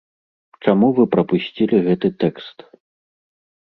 Чаму вы прапусцілі гэты тэкст?